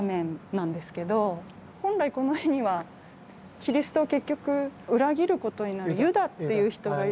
本来この絵にはキリストを結局裏切ることになる「ユダ」という人がいる。